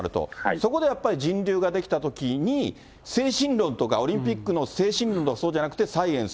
そこでやっぱり人流が出来たときに、精神論とかオリンピックの精神論、そうじゃなくてサイエンス。